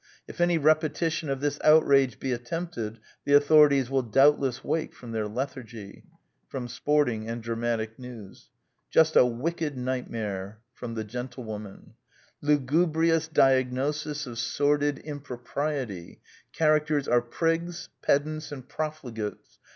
••. If any repetition of this outrage be attempted, the authorities will doubtless wake from their leth argy." Sporting and Dramatic News. " Just a wicked nightmare." The Gentiewoman. " Lu gubrious diagnosis of sordid impropriety. ... Characters are prigs, pedants, and profligates. •